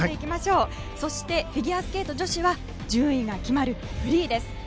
フィギュアスケート女子は順位が決まるフリーです。